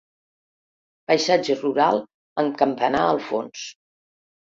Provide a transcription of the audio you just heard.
Paisatge rural amb campanar al fons.